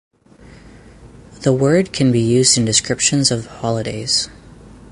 The word can be used in descriptions of holidays.